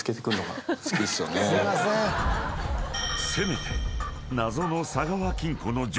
［せめて謎の］